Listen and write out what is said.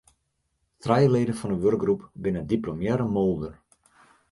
Trije leden fan de wurkgroep binne diplomearre moolder.